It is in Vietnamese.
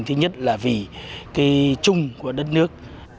thứ nhất là vì cái chung của đất nước